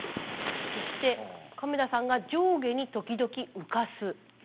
そして亀田さんが「上下に時々浮かす」。